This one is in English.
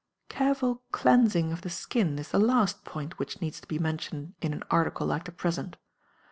Careful cleansing of the skin is the last point which needs to be mentioned in an article like the present.